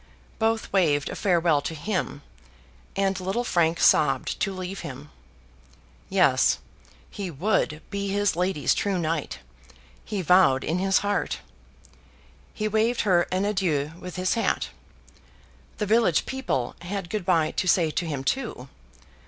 Both waved a farewell to him, and little Frank sobbed to leave him. Yes, he WOULD be his lady's true knight, he vowed in his heart; he waved her an adieu with his hat. The village people had Good by to say to him too.